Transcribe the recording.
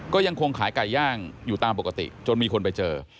ก็ยังคงขายไก่ย่างอยู่ตามปกติจนมีคนไปเจอ